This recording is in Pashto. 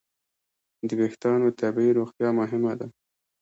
د وېښتیانو طبیعي روغتیا مهمه ده.